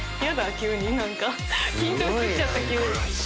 急に何か緊張してきちゃった急に。